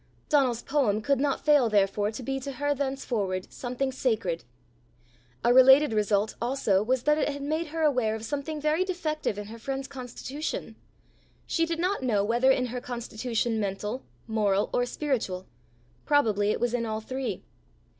Donal's poem could not fail therefore to be to her thenceforward something sacred. A related result also was that it had made her aware of something very defective in her friend's constitution: she did not know whether in her constitution mental, moral, or spiritual: probably it was in all three.